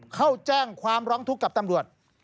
เข้าแจ้งความร้องทุกข์กับตำรวจ